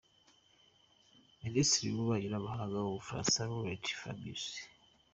Minisitiri w’ububanyi n’amahanga w’u Bufaransa Laurent Fabius .